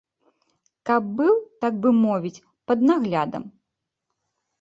Каб быў, так бы мовіць, пад наглядам.